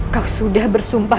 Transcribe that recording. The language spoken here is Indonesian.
kau sudah bersumpah